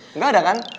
enggak ada kan